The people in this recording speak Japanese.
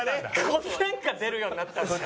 こっち出るようになったんですか？